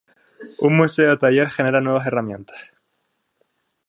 Un museo taller genera nuevas herramientas.